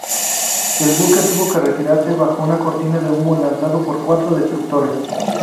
El buque tuvo que retirarse bajo una cortina de humo lanzada por cuatro destructores.